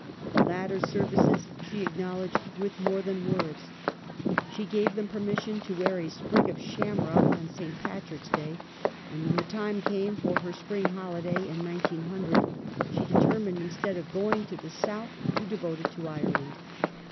The latter's services she acknowledged with more than words. She gave them permission to wear a sprig of shamrock on St. Patrick's Day, and when the time came for her spring holiday in 1900 she determined, instead of going to the South, to devote it to Ireland.